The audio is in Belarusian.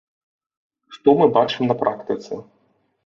Што мы бачым на практыцы?